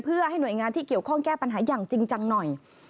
เพื่อให้หน่วยงานที่เกี่ยวข้องแก้ปัญหาอย่างจริงจังหน่อย